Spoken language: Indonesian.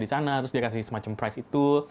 di sana terus dia kasih semacam price itu